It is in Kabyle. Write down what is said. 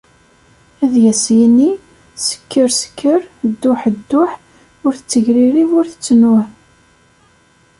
Ad as-yini: " Sekker sekker, dduḥ dduḥ, ur tettegririb ur tettnuh."